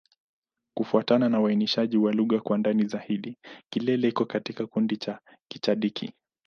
Kufuatana na uainishaji wa lugha kwa ndani zaidi, Kilele iko katika kundi la Kichadiki.